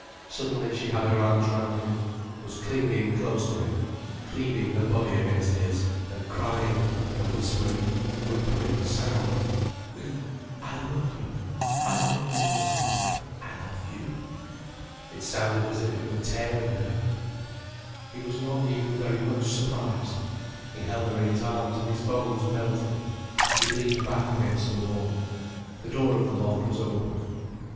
Suddenly she had her arms round him, was clinging close to him, cleaving her body against his, and crying, in a whispering, whimpering sound. "Will, I love you, I love you, Will, I love you." It sounded as if it were tearing her. He was not even very much surprised. He held her in his arms, and his bones melted. He leaned back against the wall. The door of the loft was open.